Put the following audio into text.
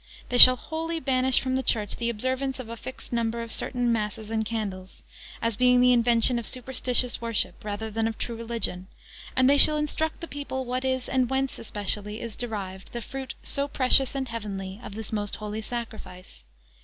They shall wholly banish from the Church the observance of a fixed number of certain masses and of candles, as being the invention of superstitious worship, rather than of true religion; and they shall instruct the people, what is, and whence especially is derived, the fruit so precious and heavenly of this most holy sacrifice.